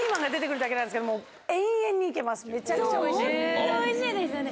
ホントおいしいですよね。